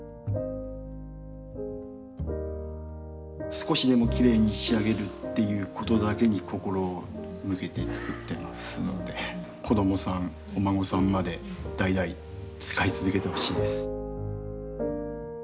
少しでもきれいに仕上げるということだけに心を向けて作ってますので子どもさんお孫さんまで代々使い続けてほしいです。